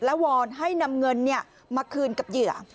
และวอนให้นำเงินมาคืนกับเหยื่อ